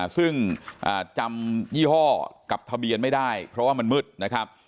ซึ่งจำยี่ห้อกับทะเบียนไม่ได้เพราะว่ามันมืดนะครับ